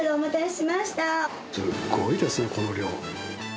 すっごいですね、この量。